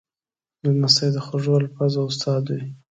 لمسی د خوږو الفاظو استاد وي.